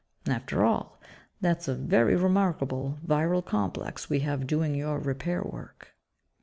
After all, that's a very remarkable viral complex we have doing your 'repair' work."